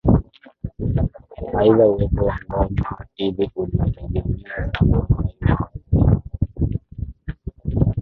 Aidha uwepo wa ngoma ile unategemea sana uhai wa wazee hao